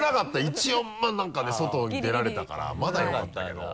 一応まぁ何かね外に出られたからまだよかったけど。